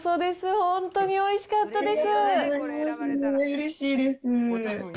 本当においしかったです。